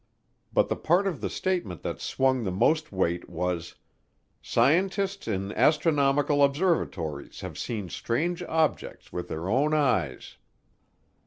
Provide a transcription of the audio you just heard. But the part of the statement that swung the most weight was, "Scientists in astronomical observatories have seen these strange objects with their own eyes."